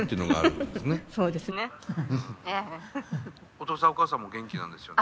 お父さんお母さんも元気なんですよね？